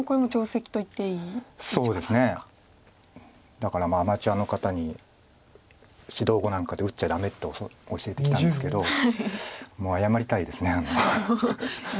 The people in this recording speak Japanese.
だからアマチュアの方に指導碁なんかで打っちゃダメと教えてきたんですけどもう謝りたいです。